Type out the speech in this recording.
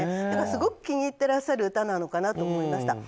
だから、すごく気に入ってらっしゃる歌なのかなと思います。